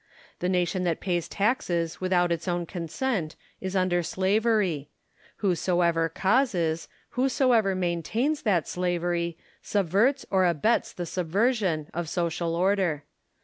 The nation that pays taxes without its own consent is under slavery : whosoever causes, whosoever maintains that slavery, subverts or abets the subversion of social order.